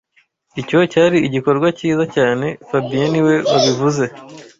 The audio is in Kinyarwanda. Icyo cyari igikorwa cyiza cyane fabien niwe wabivuze